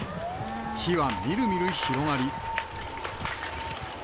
火はみるみる広がり。